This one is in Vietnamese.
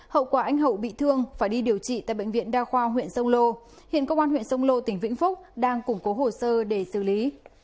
hậu quả anh hậu bị thương phải đi điều trị tại bệnh viện đa khoa huyện sông lô hiện công an huyện sông lô tỉnh vĩnh phúc đang củng cố hồ sơ để xử lý